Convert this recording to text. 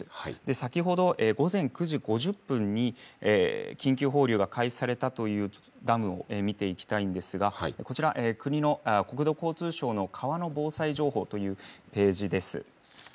先程、午前９時５０分に緊急放流が開始されたというダムを見ていきたいんですが国土交通省の川の防災情報というページです。